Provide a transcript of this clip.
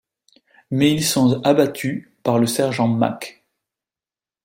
Mais ils sont abattus par le sergent Mac.